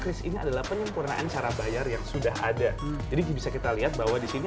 kris ini adalah penyempurnaan cara bayar yang sudah ada jadi bisa kita lihat bahwa disini